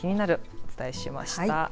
お伝えしました。